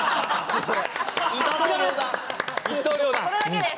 それだけです！